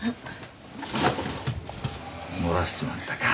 漏らしちまったか。